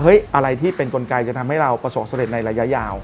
เฮ้ยอะไรที่เป็นกลไกรจะทำให้เราประสบกันในระยะยาว